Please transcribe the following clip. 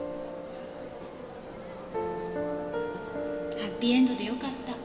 ハッピーエンドで良かった。